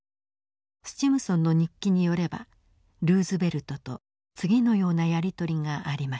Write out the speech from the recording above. スチムソンの日記によればルーズベルトと次のようなやり取りがありました。